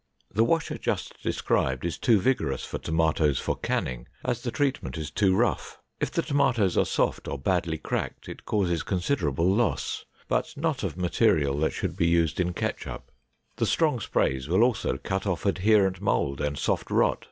The washer just described is too vigorous for tomatoes for canning, as the treatment is too rough. If the tomatoes are soft or badly cracked, it causes considerable loss, but not of material that should be used in ketchup. The strong sprays will also cut off adherent mold and soft rot.